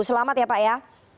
selamat ya pak ya